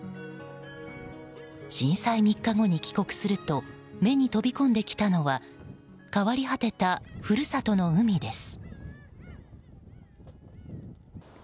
震災３日後に帰国すると目に飛び込んできたのは変わり果てた故郷の海です。